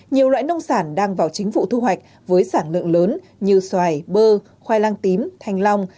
nhiều loại nông sản đang vào chính vụ thu hoạch với sản lượng lớn như xoài bơ khoai lang tím thanh long